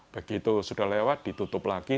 begitu sudah lewat ditutup lagi